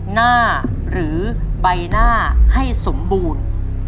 หน้าหรือใบหน้าให้สมบูรณ์